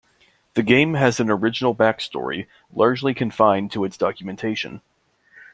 The game has an original backstory, largely confined to its documentation.